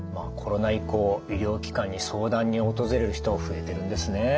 コロナ以降医療機関に相談に訪れる人が増えてるんですね。